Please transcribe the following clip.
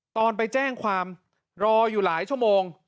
ตอนไปแจ้งความรออยู่หลายชั่วโมง